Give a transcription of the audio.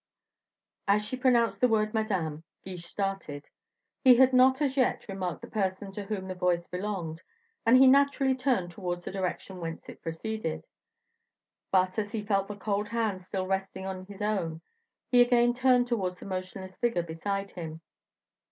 As she pronounced the word Madame, Guiche started; he had not as yet remarked the person to whom the voice belonged, and he naturally turned towards the direction whence it preceded. But, as he felt the cold hand still resting on his own, he again turned towards the motionless figure beside him.